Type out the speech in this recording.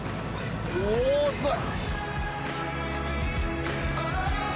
おぉすごい！